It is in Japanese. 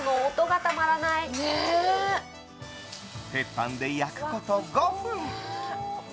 鉄板で焼くこと５分。